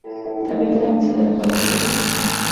La primera misa de la parroquia de St.